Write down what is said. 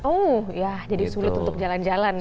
oh ya jadi sulung tutup jalan jalan ya